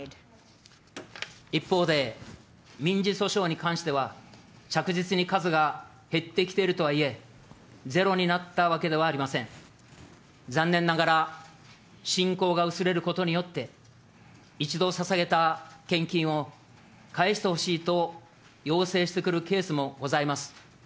一方で、民事訴訟に関しては、着実に数が減ってきているとはいえ、ゼロになったわけではありません。残念ながら信仰が薄れることによって、一度ささげた献金を返してほしいと要請してくるケースもございます。